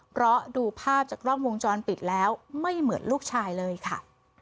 เพราะดูภาพจากกล้องวงจรปิดแล้วไม่เหมือนลูกชายเลยค่ะ